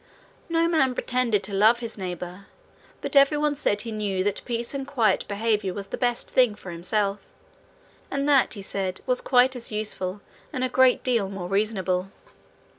No man pretended to love his neighbour, but every one said he knew that peace and quiet behaviour was the best thing for himself, and that, he said, was quite as useful, and a great deal more reasonable.